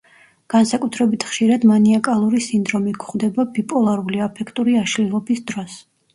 განსაკუთრებით ხშირად მანიაკალური სინდრომი გვხვდება ბიპოლარული აფექტური აშლილობის დროს.